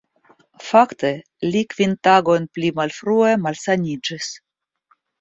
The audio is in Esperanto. Fakte li kvin tagojn pli malfrue malsaniĝis.